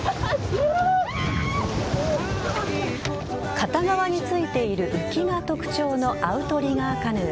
片側についている浮きが特徴のアウトリガーカヌー。